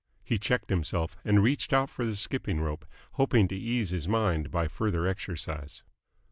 He checked himself, and reached out for the skipping rope, hoping to ease his mind by further exercise.